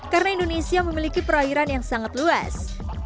karena indonesia memiliki perairan yang sangat luas